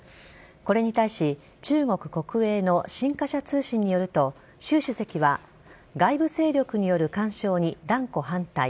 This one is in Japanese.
これに対し中国国営の新華社通信によると習主席は外部勢力による干渉に断固反対。